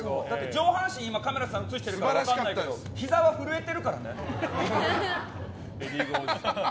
上半身映してるから分からないけどひざは震えてるからね。